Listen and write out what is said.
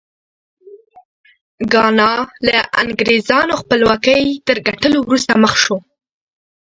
ګانا له انګرېزانو خپلواکۍ تر ګټلو وروسته مخ شو.